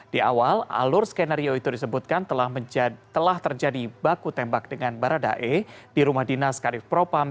di awal alur skenario itu disebutkan telah terjadi baku tembak dengan baradae di rumah dinas karif propam